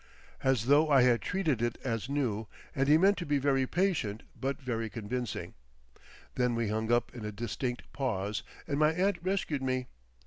As though I had treated it as new and he meant to be very patient but very convincing. Then we hung up in a distinct pause, and my aunt rescued me.